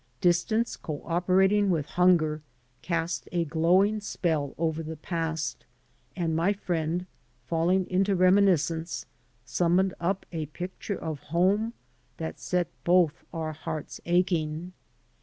Distance co operating with hunger cast a glowing spell over the past, and my friend, falling into reminiscence, summoned up a pictiu*e of home that set both our hearts aching.